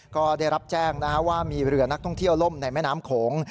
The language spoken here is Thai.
ก็ได้รับแจ้งว่ามีเรือนักท่องเที่ยวล่มในแม่น้ำโขง